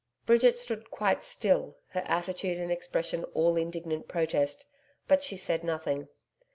Bridget stood quite still, her attitude and expression all indignant protest, but she said nothing.